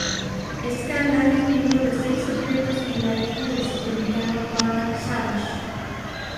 Scandal es miembro de Seis Secretos y la hija del supervillano Vandal Savage.